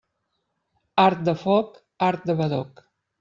Art de foc, art de badoc.